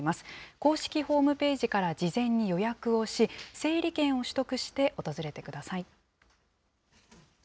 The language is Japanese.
公式ホームページから事前に予約をし、整理券を取得して訪れてください。